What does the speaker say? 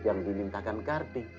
yang dimintakan kardi